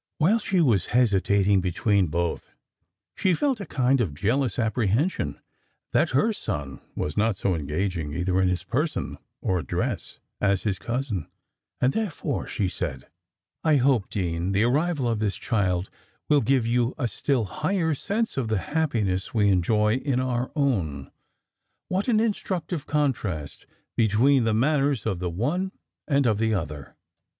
While she was hesitating between both, she felt a kind of jealous apprehension that her son was not so engaging either in his person or address as his cousin; and therefore she said, "I hope, Dean, the arrival of this child will give you a still higher sense of the happiness we enjoy in our own. What an instructive contrast between the manners of the one and of the other!"